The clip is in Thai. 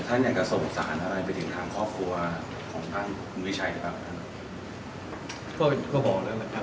ท่านอยากจะส่งสารอะไรไปถึงทางครอบครัวของท่านคุณวิชัยหรือเปล่าครับ